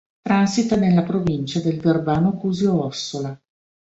Transita nella provincia del Verbano-Cusio-Ossola.